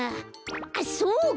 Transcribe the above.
あっそうか。